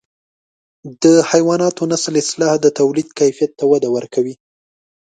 د حیواناتو نسل اصلاح د توليد کیفیت ته وده ورکوي.